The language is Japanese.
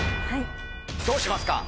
どうしますか？